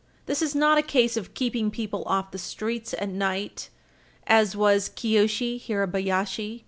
This is not a case of keeping people off the streets at night, as was Hirabayashi v.